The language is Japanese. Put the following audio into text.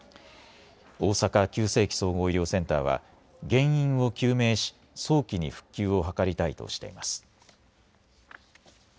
大坂急性期・総合医療センターは原因を究明し早期に復旧を図りたいとしています。